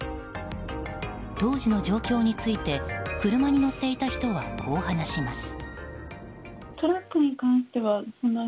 当時の状況について車に乗っていた人はこう話します。